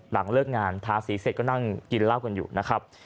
หลังเลิกงานทาสีเสร็จก็นั่งกินเหล้ากันอยู่นะครับ